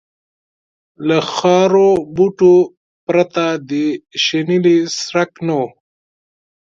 له خارو بوټو پرته د شنیلي څرک نه و.